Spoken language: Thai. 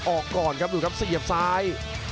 ออกก่อนครับดูครับเสียบซ้าย